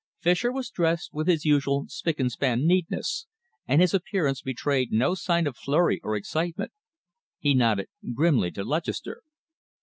Fischer was dressed with his usual spick and span neatness, and his appearance betrayed no sign of flurry or excitement. He nodded grimly to Lutchester.